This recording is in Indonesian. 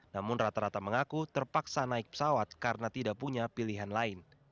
namun rata rata mengaku terpaksa naik pesawat karena tidak punya pilihan lain